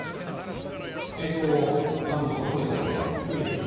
今のところ増えてません。